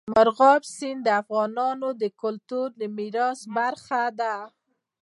مورغاب سیند د افغانستان د کلتوري میراث برخه ده.